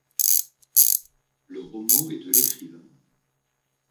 Le roman et de l'écrivain.